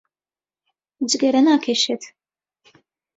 جگەرە ناکێشێت.